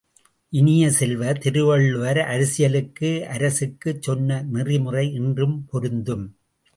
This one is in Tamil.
இனிய செல்வ, திருவள்ளுவர் அரசியலுக்கு அரசுக்குச் சொன்ன நெறிமுறை இன்றும் பொருந்தும்.